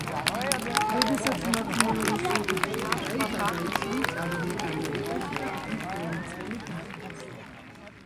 როდესაც მათი მეორე შვილი ბენი დაიბადა ისინი წავიდნენ ამერიკაში და იქ ორი წელი დაჰყვეს.